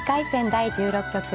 第１６局。